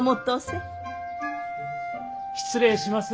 失礼します